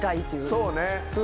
そうね。